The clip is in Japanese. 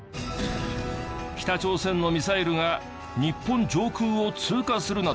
北朝鮮のミサイルが日本上空を通過するなど